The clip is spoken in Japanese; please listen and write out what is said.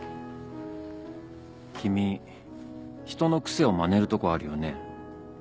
君人の癖をまねるとこあるよね。